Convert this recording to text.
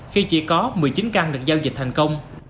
khi chỉ có một mươi chín căn được giao dịch thành công